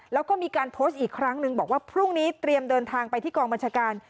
แล้วก็มีการโพสต์อีกครั้งนึงบอกว่าพรุ่งนี้เตรียมเดินทางไปที่กองบัญชาการ